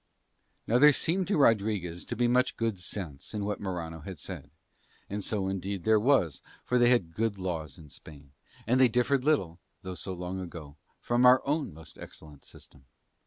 Now there seemed to Rodriguez to be much good sense in what Morano had said; and so indeed there was for they had good laws in Spain, and they differed little, though so long ago, from our own excellent system.